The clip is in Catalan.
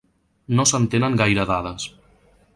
No se'n tenen gaire dades.